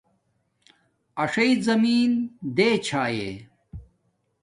اݽݵ زمین دے چھاݵ